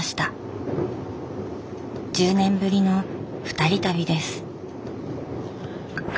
１０年ぶりのふたり旅です。